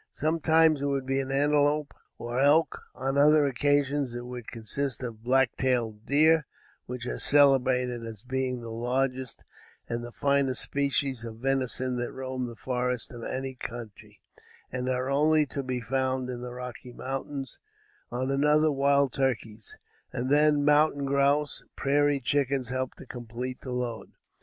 Sometimes it would be antelope or elk; on another occasion, it would consist of black tailed deer, which are celebrated as being the largest and the finest species of venison that roam the forests of any country and are only to be found in the Rocky Mountains; on another, wild turkeys; and then mountain grouse and prairie chickens helped to complete the load.